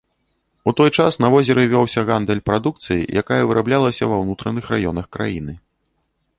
У той час на возеры вёўся гандаль прадукцыяй, якая выраблялася ва ўнутраных раёнах краіны.